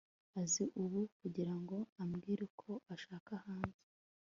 azi ubu kugirango ambwire uko ashaka hanze